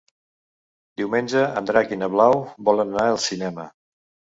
Diumenge en Drac i na Blau volen anar al cinema.